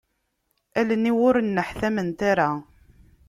Allen-iw ur nneḥtament ara.